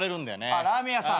あっラーメン屋さん。